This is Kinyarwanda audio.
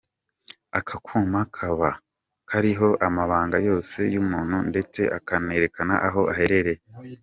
Aka kuma kakaba kaba kariho amabanga yose y’umuntu ndetse kakanerekana aho aherereye.